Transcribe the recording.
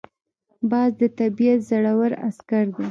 باز د طبیعت زړور عسکر دی